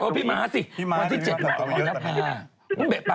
โอ้ยพี่ม้าสิวันที่๗คุณพ่อดำ